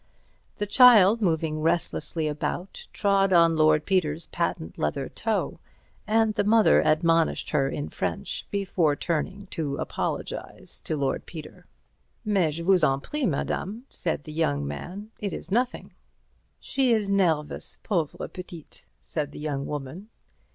The child, moving restlessly about, trod on Lord Peter's patent leather toe, and the mother admonished her in French before turning to apologize to Lord Peter. "Mais je vous en prie, madame," said the young man, "it is nothing." "She is nervous, pauvre petite," said the young woman.